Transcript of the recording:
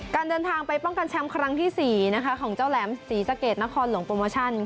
เดินทางไปป้องกันแชมป์ครั้งที่๔ของเจ้าแหลมศรีสะเกดนครหลวงโปรโมชั่น